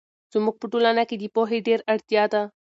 زموږ په ټولنه کې د پوهې ډېر اړتیا ده.